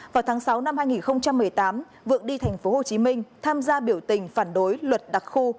vào tháng sáu năm hai nghìn một mươi tám vượng đi tp hcm tham gia biểu tình phản đối luật đặc khu